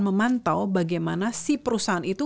memantau bagaimana si perusahaan itu